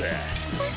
えっ？